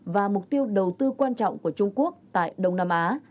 và mục tiêu đầu tư quan trọng của trung quốc tại đông nam á